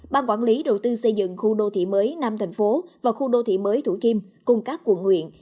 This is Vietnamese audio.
ban quản lý đầu tư xây dựng khu đô thị mới nam tp và khu đô thị mới thủ kim cùng các quận huyện